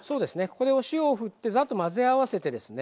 ここでお塩をふってザッと混ぜ合わせてですね